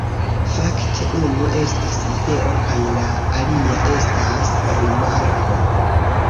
Fakte, unu estas ideo kaj la alia estas rimarko